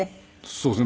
そうですね。